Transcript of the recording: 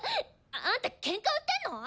あんたケンカ売ってんの⁉